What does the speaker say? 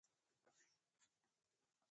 د ځمکې د رطوبت اندازه څنګه معلومه کړم؟